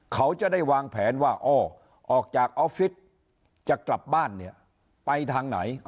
เขาจะได้วางแผนว่าอ้อออกจากออฟฟิศจะกลับบ้านเนี่ยไปทางไหน